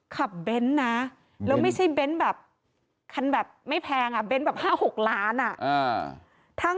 ขับเบนท์นะแล้วไม่ใช่เบนท์แบบคันแบบไม่แพงแบบ๕๖ล้าน